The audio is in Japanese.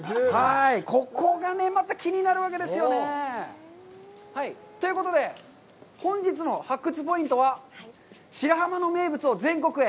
ここがまた気になるわけですよね。ということで、本日の発掘ポイントは、白浜の名物を全国へ。